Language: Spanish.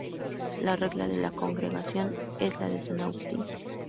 La regla de la congregación es la de san Agustín.